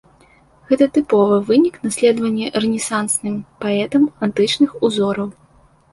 Гэта тыповы вынік наследавання рэнесансным паэтам антычных узораў.